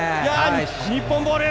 日本ボール！